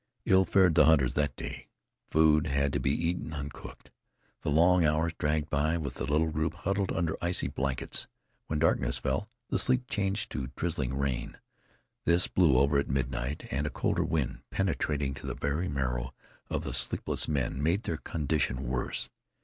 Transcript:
Ill fared the hunters that day. Food had to be eaten uncooked. The long hours dragged by with the little group huddled under icy blankets. When darkness fell, the sleet changed to drizzling rain. This blew over at midnight, and a colder wind, penetrating to the very marrow of the sleepless men, made their condition worse.